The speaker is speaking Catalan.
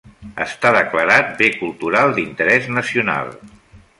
Està declarat bé cultural d'interès nacional.